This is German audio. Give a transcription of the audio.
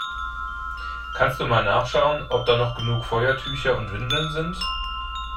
Kannst du mal nachschauen, ob da noch genug Feuertücher und Windeln sind?